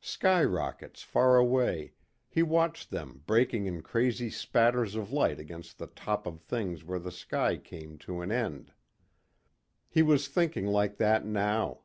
Skyrockets far away, he watched them breaking in crazy spatters of light against the top of things where the sky came to an end. He was thinking like that now.